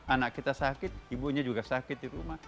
anak kita sakit ibunya juga sakit di rumah